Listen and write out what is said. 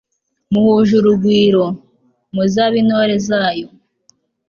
muhuje urugwiro, muzabe intore zayo